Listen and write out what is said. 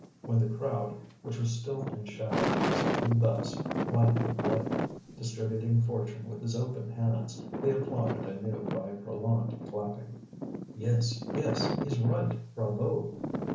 When the crowd, which was still in shadow, saw him thus, white with light, distributing fortune with his open hands, they applauded anew by prolonged clapping. "Yes, yes, he's right. Bravo!"